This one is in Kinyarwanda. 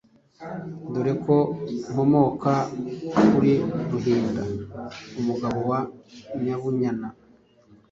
dore ko nkomoka kuri Ruhinda umugabo wa nyabunyana.